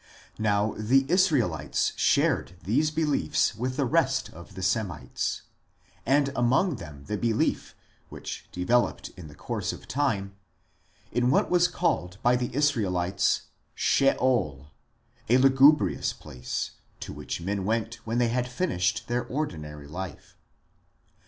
Now the Israelites shared these beliefs with the rest of the Semites ; and among them the belief, which developed in course of time, in what was called by the Israelites " Sheol," a lugubrious place to which men went when they had finished their ordinary life.